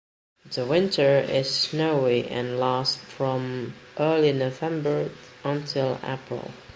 The winter is snowy and lasts from early November until April.